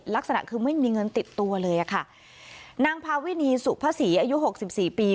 ลักษณะคือไม่มีเงินติดตัวเลยอะค่ะนางพาวินีสุภาษีอายุหกสิบสี่ปี